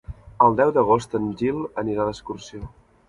El deu d'agost en Gil anirà d'excursió.